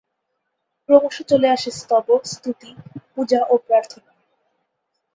ক্রমশ চলে আসে স্তব, স্তুতি, পুজা ও প্রার্থনা।